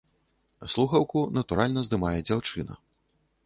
Слухаўку, натуральна, здымае дзяўчына.